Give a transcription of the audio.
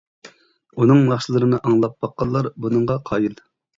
ئۇنىڭ ناخشىلىرىنى ئاڭلاپ باققانلار بۇنىڭغا قايىل.